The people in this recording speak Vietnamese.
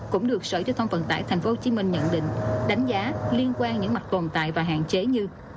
cũng được sở chế thông phận tải tp hcm nhận định đánh giá liên quan những mặt còn tại và hạn chế như